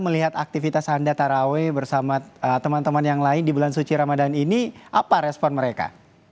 melihat aktivitas anda taraweh bersama teman teman yang lain di bulan suci ramadan ini apa respon mereka